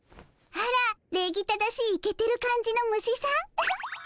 あら礼儀正しいイケてる感じの虫さんウフッ。